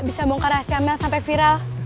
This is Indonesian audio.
bisa bongkar rahasia mel sampai viral